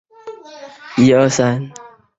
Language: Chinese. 当今锡耶纳大学以其法学院和医学院闻名。